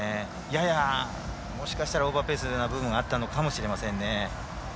やや、もしかしたらオーバーペースな部分があったのかもしれません。